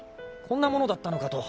こんなものだったのかと。